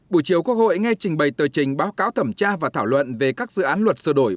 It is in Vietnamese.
buổi chiều quốc hội nghe trình bày tờ trình báo cáo thẩm tra và thảo luận về các dự án luật sửa đổi